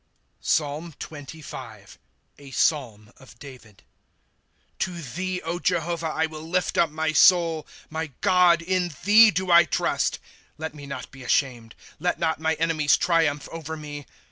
PSALM SXV. [A Faalm] of David. ^ To thee, Jehovah, I will lift up my soul. ^ Jly God, in thee do I trust ; let me not be ashamed. Let not my enemies triumph over me.